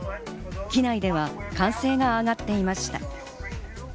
機内では歓声が上がっていました。